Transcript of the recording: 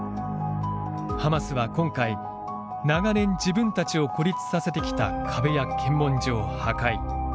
ハマスは今回、長年、自分たちを孤立させてきた壁や検問所を破壊。